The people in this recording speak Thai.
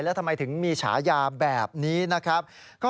แล้วทำไมถึงมีฉายาแบบนี้นะครับ